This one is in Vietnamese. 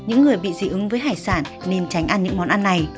ứng với hải sản nên tránh ăn những món ăn này